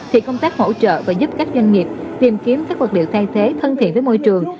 thì công tác hỗ trợ và giúp các doanh nghiệp tìm kiếm các vật liệu thay thế thân thiện với môi trường